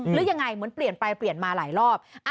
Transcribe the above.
หรือยังไงเหมือนเปลี่ยนไปเปลี่ยนมาหลายรอบ